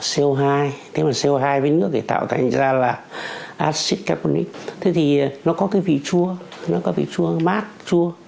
co hai thế là co hai với nước để tạo thành ra là acid carbonic thế thì nó có cái vị chua nó có vị chua mát chua